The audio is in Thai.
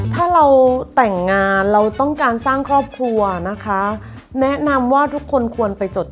ถ้าเราแต่งงานเราต้องการสร้างครอบครัวนะคะ